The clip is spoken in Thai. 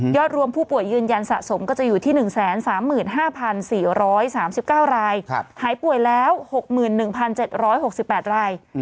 รวมผู้ป่วยยืนยันสะสมก็จะอยู่ที่๑๓๕๔๓๙รายหายป่วยแล้ว๖๑๗๖๘ราย